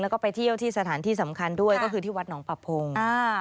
แล้วก็ไปเที่ยวที่สถานที่สำคัญด้วยก็คือที่วัดหนองปะพงอ่า